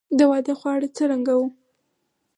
د واده خواړه څرنګه وو؟